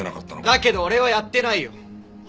だけど俺はやってないよ。